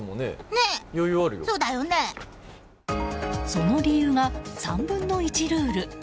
その理由が、３分の１ルール。